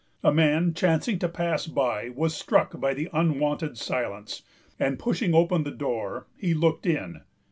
A man chancing to pass by was struck by the unwonted silence; and, pushing open the door, he looked in.